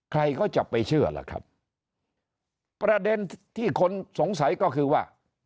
ใครก็จะไปเชื่อล่ะครับประเด็นที่คนสงสัยก็คือว่า